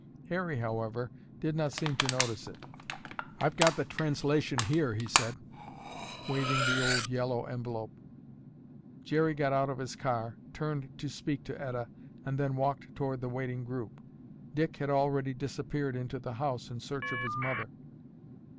Harry, however, did not seem to notice it. "I've got the translation here," he said, waving the old yellow envelope. Jerry got out of his car, turned to speak to Etta and then walked toward the waiting group. Dick had already disappeared into the house in search of his mother.